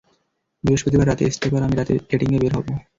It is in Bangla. বৃহস্পতিবার রাতে, স্টেফ আর আমি রাতে ডেটিঙে বের হবো।